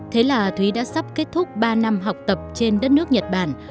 thế là thúy đã sắp kết thúc ba năm học tập trên đất nước nhật bản